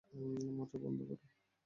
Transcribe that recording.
Mortar বন্ধ কর।